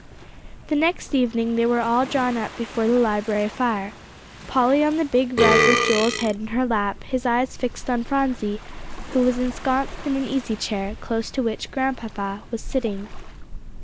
The next evening they were all drawn up before the library fire; Polly on the big rug with Joel's head in her lap, his eyes fixed on Phronsie, who was ensconced in an easy chair, close to which Grandpapa was sitting.